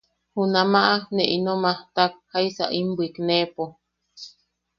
Junamaʼa ne ino majta, jaisa in bwikneʼepo.